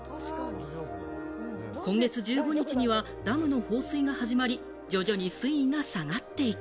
今月１５日にはダムの放水が始まり徐々に水位が下がっていく。